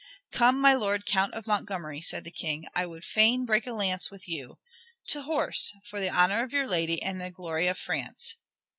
"Come, my lord Count of Montgomery," said the King. "I would fain break a lance with you. To horse, for the honor of your lady and the glory of France!"